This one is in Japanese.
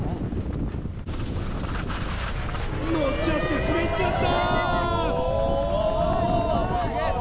乗っちゃって滑っちゃった！